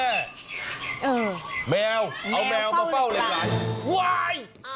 เออแมวเฝ้านะคะแมวมาเฝ้าอะไรวาย